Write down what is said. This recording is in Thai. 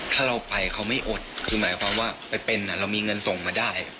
ถ้าเราไปเขาไม่อดคือหมายความว่าไปเป็นเรามีเงินส่งมาได้